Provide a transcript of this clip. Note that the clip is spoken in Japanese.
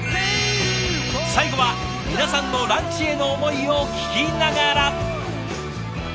最後は皆さんのランチへの思いを聞きながら。